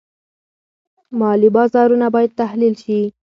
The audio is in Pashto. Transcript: مالي بازارونه باید تحلیل شي.